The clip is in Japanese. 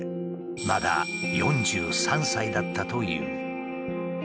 まだ４３歳だったという。